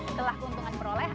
setelah keuntungan diperoleh